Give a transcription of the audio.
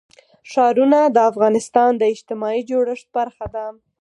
ښارونه د افغانستان د اجتماعي جوړښت برخه ده.